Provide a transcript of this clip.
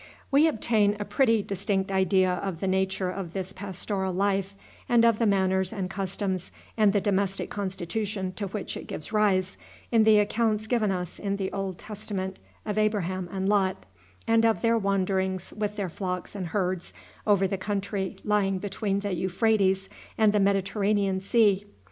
We obtain a pretty distinct idea of the nature of this pastoral life, and of the manners and customs, and the domestic constitution to which it gives rise, in the accounts given us in the Old Testament of Abraham and Lot, and of their wanderings with their flocks and herds over the country lying between the Euphrates and the Mediterranean Sea.